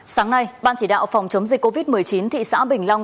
sáng nay ban chỉ đạo phòng chống dịch covid một mươi chín thị xã bình long